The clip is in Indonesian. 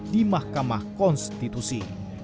di mahkamah konstitusi